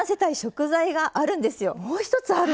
もう一つある？